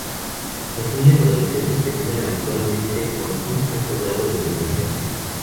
Los niños adolescentes terminan habitualmente con un alto grado de dependencia.